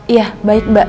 iya baik mbak